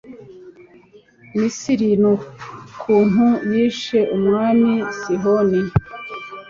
Misiri n ukuntu yishe umwami Sihoni